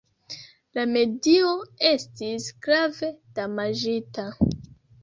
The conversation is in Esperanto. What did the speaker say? La medio estis grave damaĝita.